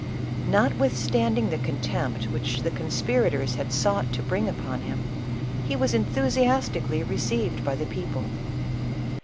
Not withstanding the contempt which the conspirators had sought to bring upon him, he was enthusiastically re ceived by the people.